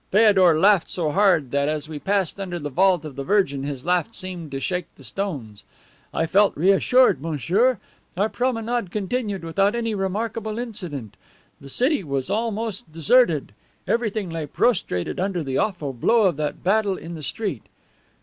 Feodor laughed so hard that as we passed under the vault of the Virgin his laugh seemed to shake the stones. I felt reassured, monsieur. Our promenade continued without any remarkable incident. The city was almost deserted. Everything lay prostrated under the awful blow of that battle in the street.